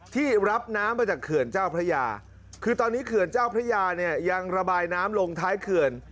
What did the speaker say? ที่รับน้ำมาจากเขื่อนเจ้าพระยาคือตอนนี้เขื่อนเจ้าพระยาเนี่ยยังระบายน้ำลงท้ายเขื่อน